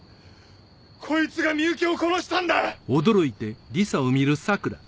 こいつが深雪を殺したんだ！